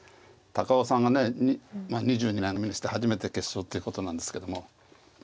高尾さんが２２年目にして初めて決勝ということなんですけども。